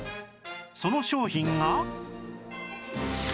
その商品が